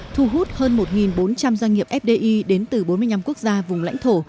thu hút hơn một bốn trăm linh doanh nghiệp fdi đến từ bốn mươi năm quốc gia vùng lãnh thổ